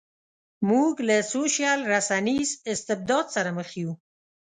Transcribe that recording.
موږ له سوشل رسنیز استبداد سره مخ یو.